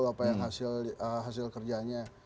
apa yang hasil kerjanya